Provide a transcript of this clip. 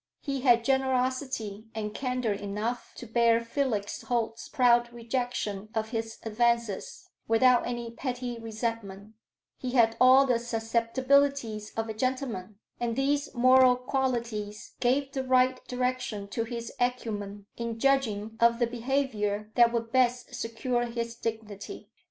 He had generosity and candor enough to bear Felix Holt's proud rejection of his advances without any petty resentment; he had all the susceptibilities of a gentleman; and these moral qualities gave the right direction to his acumen, in judging of the behavior that would best secure his dignity.